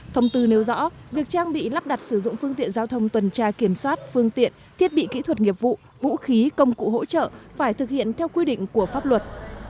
thông tư nêu rõ việc trang bị lắp đặt sử dụng phương tiện giao thông tuần tra kiểm soát phương tiện thiết bị kỹ thuật nghiệp vụ vũ khí công cụ hỗ trợ phải thực hiện theo quy định của pháp luật